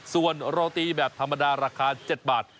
ส่วนโรตีแบบธรรมดาราคา๗บาท